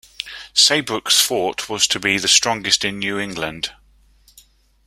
Saybrook's fort was to be the strongest in New England.